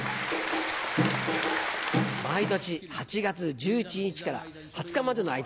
毎年８月１１日から２０日までの間